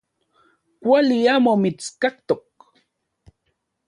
Kuali amo mitskaktok.